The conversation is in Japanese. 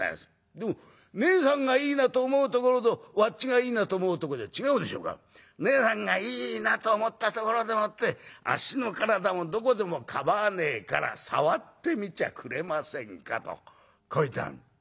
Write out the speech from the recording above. でもねえさんがいいなと思うところとわっちがいいなと思うとこじゃ違うでしょうからねえさんがいいなと思ったところでもってあっしの体のどこでも構わねえから触ってみちゃくれませんか』とこう言ったの」。